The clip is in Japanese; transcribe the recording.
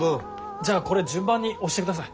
じゃあこれ順番に押してください。